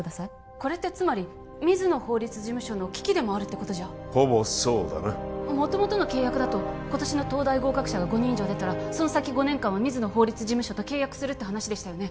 これってつまり水野法律事務所の危機でもあるってことじゃほぼそうだな元々の契約だと今年の東大合格者が５人以上出たらその先５年間は水野法律事務所と契約するって話でしたよね？